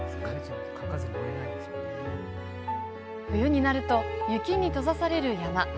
冬になると雪に閉ざされる山。